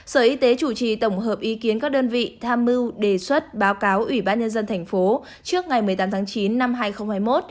sở y tế chủ trì tổng hợp ý kiến các đơn vị tham mưu đề xuất báo cáo ủy ban nhân dân thành phố trước ngày một mươi tám tháng chín năm hai nghìn hai mươi một